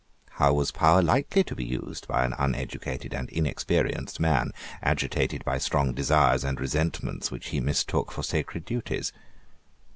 How was power likely to be used by an uneducated and inexperienced man, agitated by strong desires and resentments which he mistook for sacred duties?